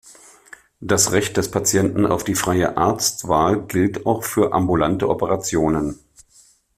Das Recht des Patienten auf die freie Arztwahl gilt auch für ambulante Operationen.